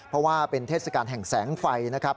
เพราะว่าเป็นเทศกาลแห่งแสงไฟนะครับ